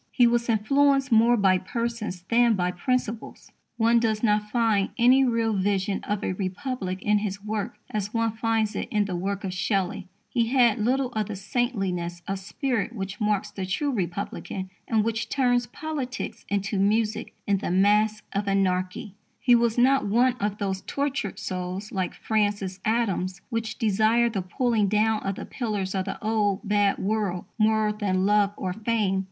He was influenced more by persons than by principles. One does not find any real vision of a Republic in his work as one finds it in the work of Shelley. He had little of the saintliness of spirit which marks the true Republican and which turns politics into music in The Masque of Anarchy. His was not one of those tortured souls, like Francis Adams's, which desire the pulling down of the pillars of the old, bad world more than love or fame.